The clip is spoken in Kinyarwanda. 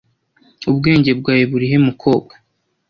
Ubwenge bwawe burihe mukobwa?